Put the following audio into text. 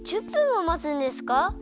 １０分もまつんですか？